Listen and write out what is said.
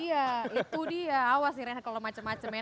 iya itu dia awas nih reinhardt kalau macem macem ya